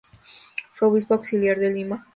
Fue obispo auxiliar de Lima.